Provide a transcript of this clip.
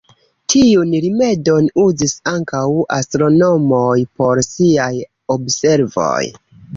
Tiun rimedon uzis ankaŭ astronomoj por siaj observoj.